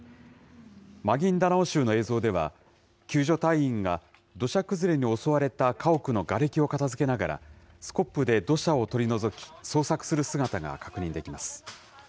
マギンダナオ州の映像では、救助隊員が土砂崩れに襲われた家屋のがれきを片づけながら、スコップで土砂を取り除き、捜索する姿が確認できます。